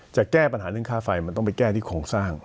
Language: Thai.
จะแก้ปัญหาเรื่องค่าไฟมันต้องไปแก้ที่โครงสร้าง